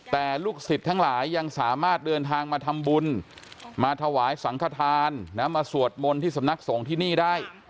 แต่ลูกศิษย์ทั้งหลายยังสามารถเดินทางมาทำบุญมาถวายสังขทานนะมาสวดมนต์ที่สำนักสงฆ์ที่นี่ได้